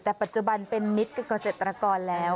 แต่ปัจจุบันเป็นมิตรกับเกษตรกรแล้ว